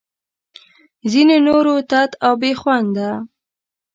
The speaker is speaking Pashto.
ځینو نورو تت او بې خونده